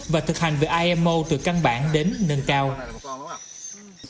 và thực hành về imo từ căn bản đến nâng cao